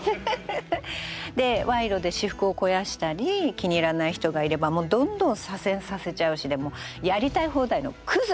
でわいろで私腹を肥やしたり気に入らない人がいればもうどんどん左遷させちゃうしでやりたい放題のクズ。